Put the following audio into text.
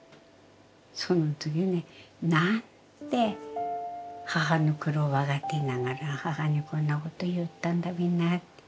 その時ねなんて母の苦労を分かっていながら母にこんなこと言ったんだべなって。